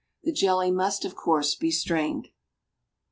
The jelly must of course be strained.